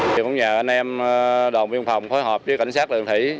chúng tôi nhờ anh em đồng biên phòng phối hợp với cảnh sát đường thủy